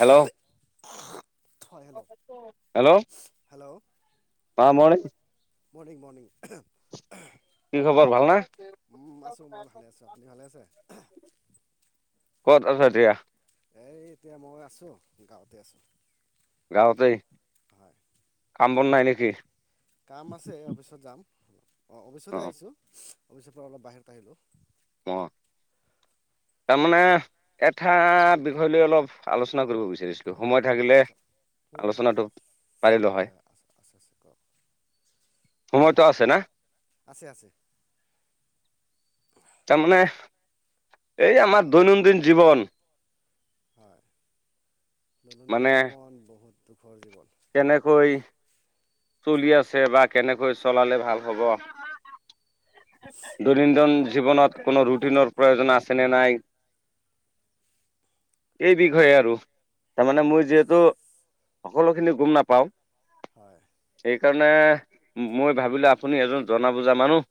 Hello hello সামৰোনে? Morning morning কি খবৰ ভাল নে? [inaudible] আছোঁ মই ভালে আছোঁ আপুনি ভালে আছে ক'ত আছা এতিয়া? এই এতিয়া মই আছোঁ, গাঁৱতে আছোঁ। গাঁৱতেই? হয়। কাম বন নাই নেকি? কাম আছে, অফিচত যাম, অ' অফিচতে আহিছো, অফিচৰ পৰা অলপ বাহিৰত আহিলো। অ', তাৰমানে হয় এটা বিষয় লৈ অলপ আলোচনা কৰিব বিচাৰিছিলো। সময় থাকিলে আচ্ছা উম, আলোচনাটো পাৰিলো হয়। আছে আছে আছে কওক হয় সময়তো আছে না? আছে আছে তাৰমানমানে, এই আমাৰ দৈনন্দিন জীৱন হয়, মানে দৈনন্দিন জীৱন বহুত দুখৰ জীৱন। কেনেকৈ চলি আছে বা কেনেকৈ চলালে ভাল হ'ব দৈনন্দিন জীৱনত কোনো ৰুটিনৰ প্ৰয়োজন আছে নে নাই এই বিষয়ে আৰু। তাৰমানে মই যিহেতু সকলো খিনি গুম নাপাওঁ হয়। সেইকাৰণে, মই ভাবিলো আপুনি এজন জনা বুজা মানুহ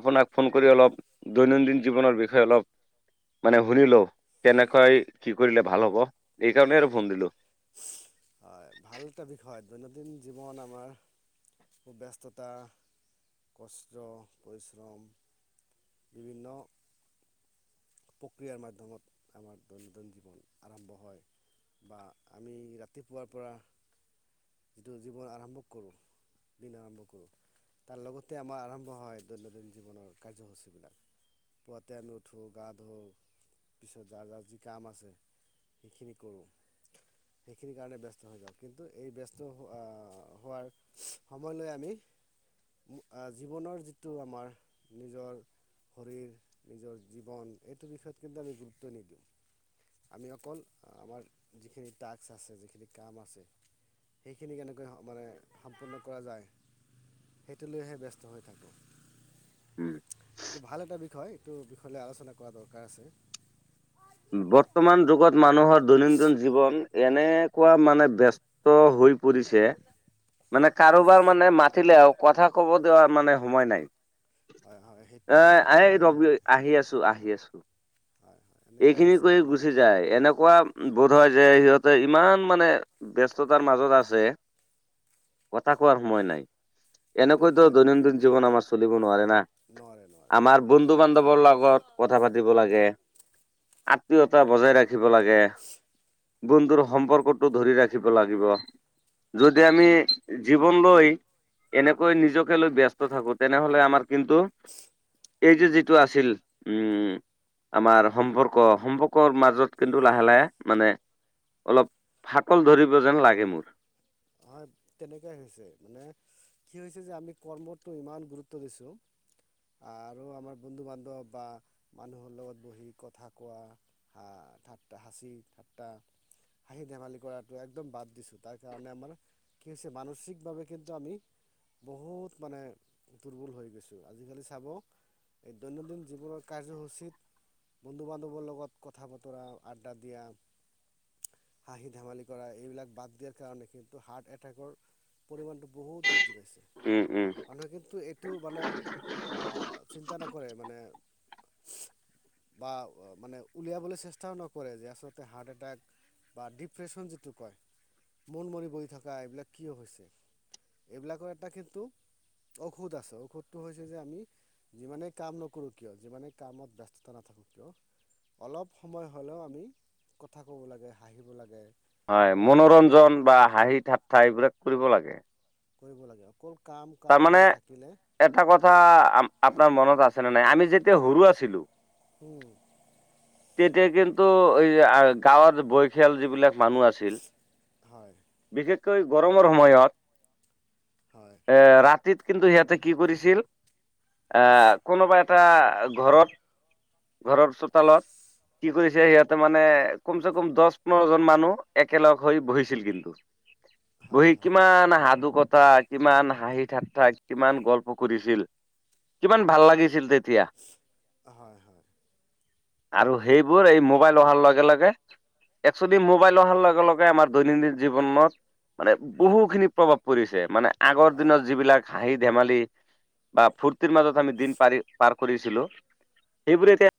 আপোনাক ফোন কৰি অলপ, দৈনন্দিন জীৱনৰ বিষয়ে অলপ মানে শুনিলো, কেনেকাই কি কৰিলে ভাল হ'ব, এই কাৰণেই আৰু ফোন দিলো। [inaudible] হয় ভাল এটা বিষয়, দৈনন্দিন জীৱন আমাৰ ব্যস্ততা, কষ্ট, পৰিশ্ৰম বিভিন্ন প্ৰক্ৰিয়াৰ মাধ্যমত, আমাৰ দৈনন্দিন জীৱন আৰম্ভ হয়। বা আমি ৰাতিপুৱাৰ পৰা, যিটো জীৱন আৰম্ভ কৰোঁ বিনা আৰম্ভ কৰোঁ তাৰ লগতে আমাৰ আৰম্ভ হয় দৈনন্দিন জীৱনৰ কাৰ্যসূচীবিলাক, পুৱাতে আমি উঠো গা ধো, পিছত যাৰ-যাৰ যি কাম আছে সেইখিনি কৰোঁ। সেইখিনিৰ কাৰণে ব্যস্ত হৈ যাওঁ, কিন্তু এই ব্যস্ত হোৱা-হোৱাৰ সময়লৈ আমি আহ, জীৱনৰ যিটো আমাৰ নিজৰ শৰীৰ, নিজৰ জীৱন, এইটো বিষয়ত কিন্তু আমি গুৰুত্ব নিদিওঁ। আমি অকল আমাৰ যিখিনি টাস্ক আছে যিখিনি কাম আছে সেইখিনি কেনেকৈ মানে সম্পূৰ্ণ কৰা যায় সেইটো লৈহে ব্যস্ত হৈ থাকোঁ। উম, এইটো ভাল এটা বিষয়, এইটো বিষয় লৈ আলোচনা কৰা দৰকাৰ আছে। বৰ্তমান যুগত মানুহৰ দৈনন্দিন জীৱন, এনেকুৱা মানে ব্যস্ত হৈ পৰিছে মানে কাৰোবাৰ মানে মাতিলে, আৰু কথা ক'ব দিয়া মানে সময় নাই। হয় হয় সেই এ হয় এই হয় ৰবি হয় আহি আছো আহি আছো। হয় এনেকুৱাই এইখিনি হৈছে কৰি মানে গুচি যায়, এনেকুৱা বোধ হয় যে, সিহঁতে ইমান মানে ব্যস্ততাৰ মাজত আছে কথা কোৱাৰ সময় নাই, সেইটোৱে এনেকৈতো মই দৈনন্দিন জীৱন আমাৰ চলিব নোৱাৰে না। নোৱাৰে নোৱাৰে আমাৰ বন্ধু বান্ধৱৰ লগত কথা পাতিব লাগে। আত্মীয়তা বজাই ৰাখিব লাগে বন্ধুৰ সম্পৰ্কটো ধৰি ৰাখিব লাগিব। যদি আমি জীৱন লৈ এনেকৈ নিজকে লৈ ব্যস্ত থাকো, তেনেহলে আমাৰ কিন্তু এই যে যিটো আছিল, উম, আমাৰ সম্পৰ্ক, সম্পৰ্কৰ মাজত কিন্তু লাহে-লাহে মানে অলপ ফাতল ধৰিব যেন লাগে মোৰ। হয়, তেনেকুৱাই হৈছে মানে কি হৈছে যে আমি কৰ্মটো ইমান গুৰুত্ব দিছোঁ আৰু আমাৰ বন্ধু বান্ধৱ বা মানুহৰ লগত বহি কথা কোৱা ঠাট্টা হাঁচি ঠাট্টা হাঁহি ধেমালি কৰাটো একদম বাদ দিছো, তাৰ কাৰণে আমাৰ কি হৈছে, মানসিকভাৱে কিন্তু আমি বহুত মানে দুৰ্বল হৈ গৈছোঁ, আজিকালি চাব এই দৈনন্দিন জীৱনৰ কাৰ্যসূচীত বন্ধু বান্ধৱৰ লগত কথা বতৰা, আড্ডা দিয়া হাঁহি ধেমালি কৰা, এইবিলাক বাদ দিয়াৰ কাৰণে কিন্তু টো হাৰ্ট এটেকৰ পৰিমাণটো বহুত বৃদ্ধি পাইছে, উম উম মানুহে কিন্তু এই টো মানে আ, চিন্তা নকৰে, মানে বা মানে উলিয়াবলৈ চেষ্টাও নকৰে, যে আচলতে হাৰ্ট আতেক বা ডিপ্ৰেশ্যন যিটো কয়, মন মৰি বহ থকা এইবিলাক কিয় হৈছে? এইবিলাকৰ এটা কিন্তু ঔষধ আছে, ঔষধটো হৈছে যে আমি যিমানে কাম নকৰোঁ কিয়, যিমানে কামত ব্যস্ততা নাথাকো কিয় অলপ সময় হ'লেও আমি কথা ক'ব লাগে, হাঁহিব লাগে, হয়, অলপ মনোৰঞ্জন বা হাঁহি ঠাট্টা, এইবিলাক কৰিব লাগে। কৰিব লাগে অকল কাম কাম তাৰমানে, লৈ থাকিলে এটা হয় কথা আপ-আপোনাৰ মনত আছে নে নাই আমি যেতিয়া সৰু আছিলো হম তেতিয়া কিন্তু এই গাঁৱৰ বয়সীয়াল যিবিলাক মানুহ আছিল, হয় বিশেষকৈ গৰমৰ সময়ত হয়। এ ৰাতিত কিন্তূ ইয়াতে কি কৰিছিল এ কোনোবা এটা ঘৰত ঘৰৰ চোতালত কি কৰিছে ইয়াতে মানে কম চে কম দহ পোন্ধৰ জন মানুহ একেলগ হৈ বহিছিল কিন্তু হয় বহি হয় কিমান সাধু কথা কিমান হাঁহি ঠাট্টা কিমান গল্প কৰিছিল কিমান ভাল লাগিছিল তেতিয়া তিয়া হয় হয় আৰু সেইবোৰ এই মোবাইল অহাৰ লগে লগে একচোৱেলি মোবাইল অহাৰ লগে লগে আমাৰ দৈনন্দিন জীৱনত মানে বহু খিনি প্ৰভাৱ পৰিছে, মানে আ অঁ দিনত যিবিলাক হাঁহি ধেমালি বা ফূৰ্তিৰ মাজত আমি দিন পাৰি পাৰ কৰিছিলো, সেইবোৰ এতিয়া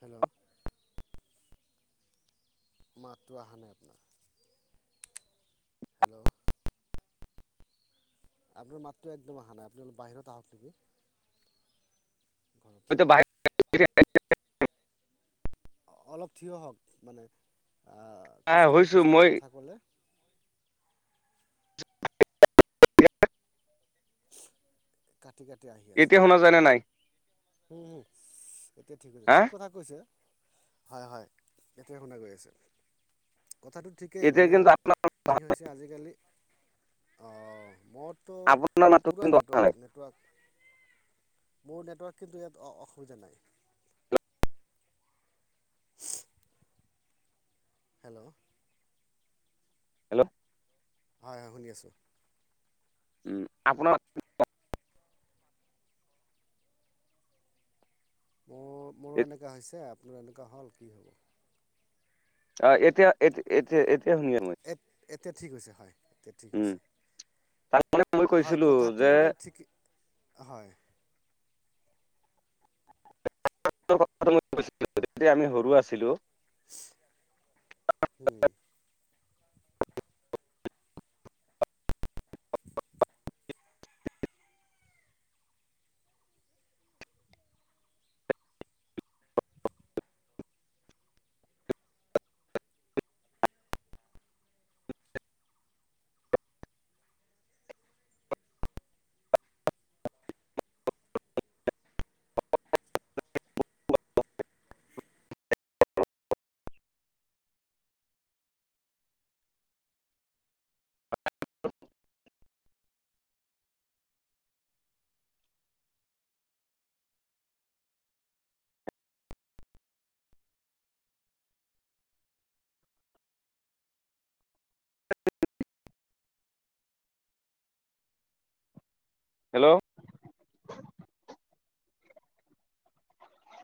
হেল্ল' মাতটো অহা নাই আপোনাৰ। হেল্ল' আপোনাৰ মাতটো একদম আহা নাই, আপুনি অলপ বাহিৰত আহক নকি? [inaudible] অলপ থিয় হওঁক মানে আ খোজকাঢ়ি হৈছো খোজকাঢ়ি মই কথা ক'লে ঠিক এতিয়া আহি আছে শুনা যায় নে নাই এতিয়া ঠিক হা ঠিক কথা কৈছে হয় হয় এতিয়া শুনা গৈ আছে কথাটো ঠিকেই এতিয়া মানে কিন্তু আপোনাৰ কি হৈছে আজিকালি অ মোৰতো আপোনাৰ মাতটো পূৰা কিন্তু অহা নাই নেটৱৰ্ক নেটৱৰ্ক মোৰ নেটৱৰ্ক কিন্তু ইয়াত অসুবিধা নাই হেল্ল' হেল্ল' হয় হয় শুনি আছোঁ উম আপোনাৰ মোৰ মোৰো এনেকুৱা হৈছে আপোনাৰ এনেকুৱা হ'ল কি হ'ব অ এতিয়া এতি এতিয়া এতিয়া শুনিয় মই এ এতিয়া ঠিক হৈছে হয় এতিয়া ঠিক উম হৈছে তাৰমানে মই হয় কৈছিলো কথাটো যে মানে ঠিক হয় আমি সৰু আছিলো উম হেল্ল'